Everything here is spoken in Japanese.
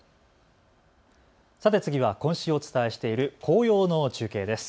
さて次は今週お伝えしている紅葉の中継です。